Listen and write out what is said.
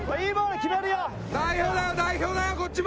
代表だよ代表だよこっちも！